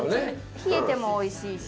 冷えてもおいしいし。